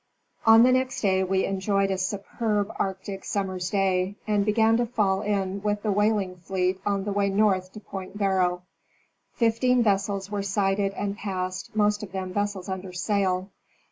On the next day we enjoyed a superb Arctic summer's day, and began to fall in with the whaling fleet on the way north to Point Barrow. Fifteen vessels were sighted and passed, most of them vessels under sail.